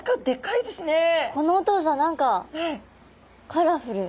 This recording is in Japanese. このお父さん何かカラフル。